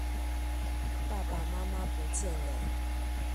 爸爸媽媽不見了